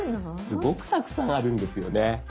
すごくたくさんあるんですよね。